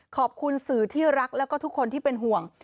ขอบคุณสื่อที่รักแล้วก็ทุกคนที่เป็นห่วง